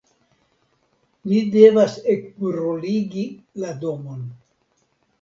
Ni devas ekbruligi la domon.